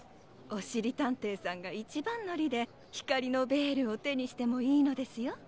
おしりたんていさんがいちばんのりでひかりのベールをてにしてもいいのですよ。